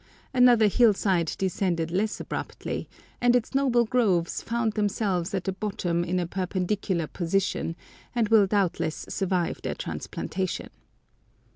Another hillside descended less abruptly, and its noble groves found themselves at the bottom in a perpendicular position, and will doubtless survive their transplantation.